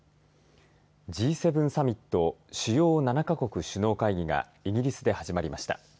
Ｇ７サミット主要７か国首脳会議がイギリスで始まりました。